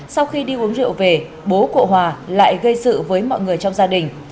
sau khi đi uống rượu về bố cộ hòa lại gây sự với mọi người trong gia đình